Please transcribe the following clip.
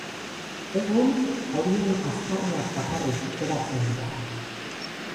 Egun, horien aztarnak bakarrik geratzen dira.